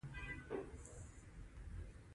بنسټونه یې د استعمار په دوره کې زیان نه شول.